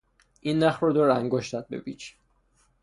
این نخ را دور انگشتت بپیچ.